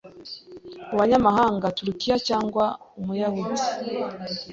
Mubanyamahanga Turukiya cyangwa Umuyahudi